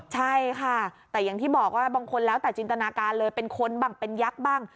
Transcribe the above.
ใช่ค่ะแต่อย่างที่บอกว่าบางคนแล้วแต่จินตนาการเลยเป็นคนบ้างเป็นยักษ์บ้าง